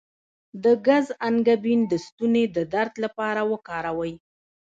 د ګز انګبین د ستوني د درد لپاره وکاروئ